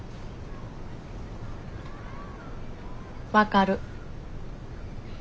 分かる。